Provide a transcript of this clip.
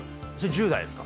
１０代です。